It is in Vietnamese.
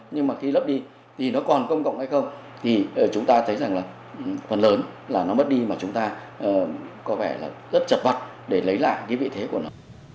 nhưng mà khi lấp đi thì nó còn công cộng hay không thì chúng ta thấy rằng là phần lớn là nó mất đi mà chúng ta có vẻ là rất chật vật để lấy lại cái vị thế của nó